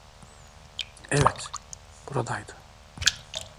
Evet, buradaydı.